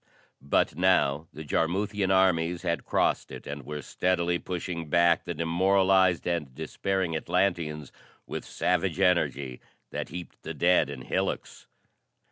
But now the Jarmuthian armies had crossed it and were steadily pushing back the demoralized and despairing Atlanteans with savage energy that heaped the dead in hillocks.